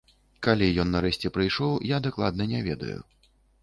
Калі ён нарэшце прыйшоў, я дакладна не ведаю.